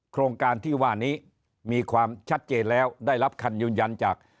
โครงการที่ว่านี้มีความชัดเจนแล้วได้รับคำยืนยันจาก